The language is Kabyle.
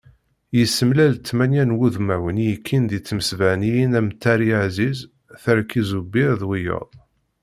Yessemlal tmanya n wudmawen i yekkin di tmesbaniyin am Tari Aziz, Terki Zubir d wiyaḍ.